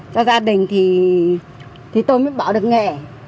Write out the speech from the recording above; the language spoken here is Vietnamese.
cho gia đình thì tôi mới bảo được nghề